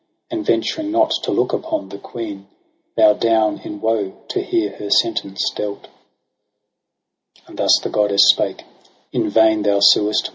And venturing not to look upon the queen, Bow'd down in woe to hear her sentence dealt. OCTOBER i6j And thus the goddess spake, ' In vain thou suest.